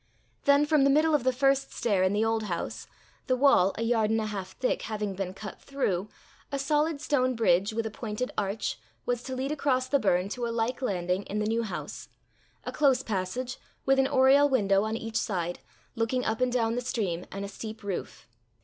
Then from the middle of the first stair in the old house, the wall, a yard and a half thick, having been cut through, a solid stone bridge, with a pointed arch, was to lead across the burn to a like landing in the new house a close passage, with an oriel window on each side, looking up and down the stream, and a steep roof.